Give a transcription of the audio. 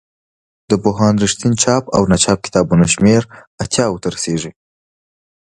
د پوهاند رښتین چاپ او ناچاپ کتابونو شمېر اتیاوو ته رسیږي.